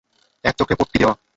এক চোখে পট্টি দেওয়া।